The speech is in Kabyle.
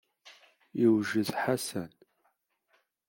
Yewjed Ḥasan.